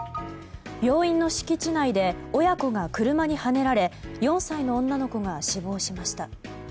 病院の敷地内で親子が車にはねられ４歳の女の子が死亡しました。